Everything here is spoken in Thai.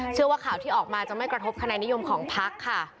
เชื่อว่าข่าวที่ออกมาจะไม่กระทบคะแนนนิยมของพักค่ะ